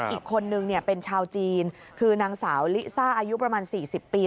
อีกคนนึงเป็นชาวจีนคือนางสาวลิซ่าอายุประมาณ๔๐ปี